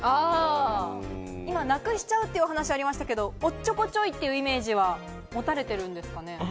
なくしちゃうというお話がありましたけれど、おっちょこちょいというイメージは持たれているんですかね？